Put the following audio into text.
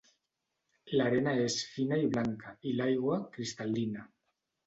L'arena és fina i blanca i l'aigua, cristal·lina.